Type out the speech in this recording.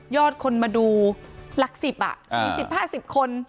ยอดคนมาดูหลักสิบอ่ะ๔๐๕๐คน